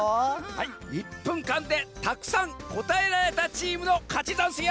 はい１ぷんかんでたくさんこたえられたチームのかちざんすよ！